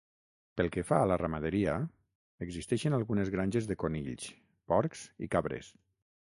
Pel que fa a la ramaderia, existeixen algunes granges de conills, porcs i cabres.